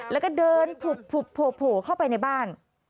แล้วก็เดินผุบโผล่เข้าไปในบ้าน